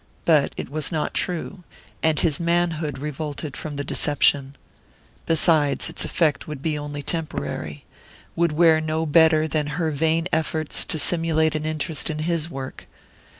But it was not true, and his manhood revolted from the deception. Besides, its effect would be only temporary would wear no better than her vain efforts to simulate an interest in his work.